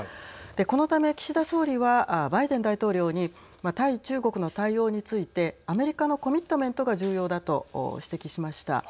このため岸田総理はバイデン大統領に対中国の対応についてアメリカのコミットメントが重要だと指摘しました。